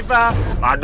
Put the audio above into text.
ada apaan sih